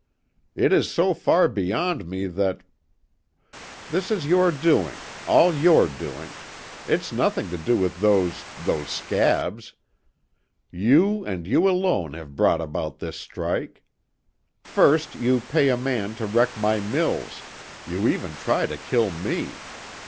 "It is so far beyond me that This is your doing, all your doing. It's nothing to do with those those 'scabs.' You, and you alone have brought about this strike. First you pay a man to wreck my mills you even try to kill me.